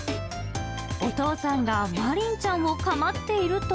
お父さんがマリンちゃんを構っていると。